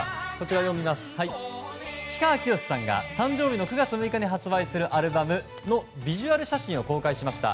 氷川きよしさんが誕生日の９月６日に販売するアルバムのビジュアル写真を公開しました。